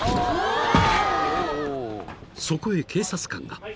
［そこへ警察官が］